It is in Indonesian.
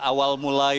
sejak awal minggu ini